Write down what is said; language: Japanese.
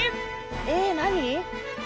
え何？